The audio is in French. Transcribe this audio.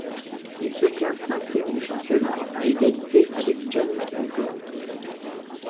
Il se classe cinquième du championnat, à égalité avec John McNicol.